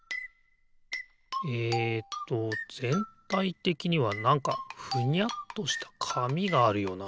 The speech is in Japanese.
えっとぜんたいてきにはなんかふにゃっとしたかみがあるよな。